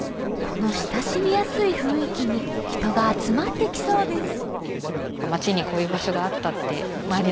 この親しみやすい雰囲気に人が集まってきそうです